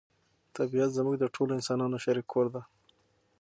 طبیعت زموږ د ټولو انسانانو شریک کور دی.